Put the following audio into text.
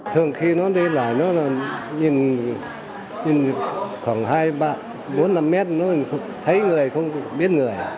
thường khi nó đi lại nó nhìn khoảng hai ba bốn năm mét nó thấy người không biết người